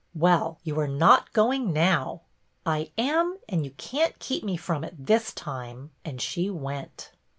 " Well, you are not going now." " I and you can't keep me from it this time ;" and she went.